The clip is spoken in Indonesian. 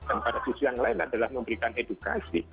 dan pada sisi yang lain adalah memberikan edukasi